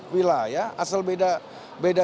wilayah asal beda